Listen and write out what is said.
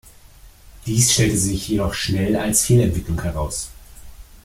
Dies stellte sich jedoch schnell als Fehlentwicklung heraus.